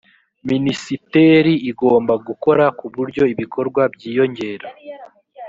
minisiteri igomba gukora ku buryo ibikorwa byiyongera.